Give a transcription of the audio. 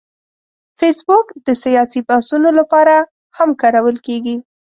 فېسبوک د سیاسي بحثونو لپاره هم کارول کېږي